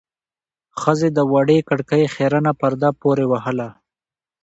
ښځې د وړې کړکۍ خيرنه پرده پورې وهله.